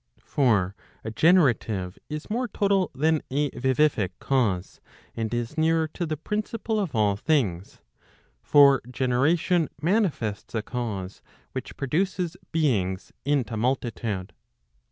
'} For a generative is more total than a vivific cause, and is nearer to the principle of all things. For generation manifests a cause which produces beings into multitude.